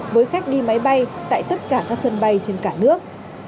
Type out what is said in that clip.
với khách đi máy bay tại tất cả các sân bay trên cả nước